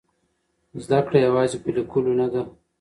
زده کړه یوازې په لیکلو نه ده.